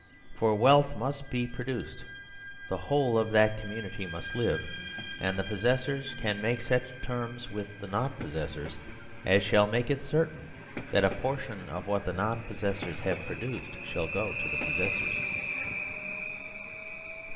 For wealth must be produced : the whole of that community must live : and the pos sessors can make such terms with the non possessors as shall make it certain that a portion of what the non possessors have produced shall go to the possessors.